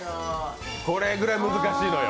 これぐらい難しいのよ。